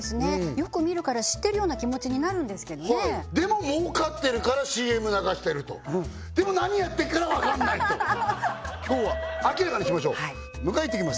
よく見るから知ってるような気持ちになるんですけどねでも儲かってるからＣＭ流してるとでも何やってるかは分からないと今日は明らかにしましょう迎え行ってきます